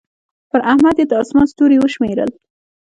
پر احمد يې د اسمان ستوري وشمېرل.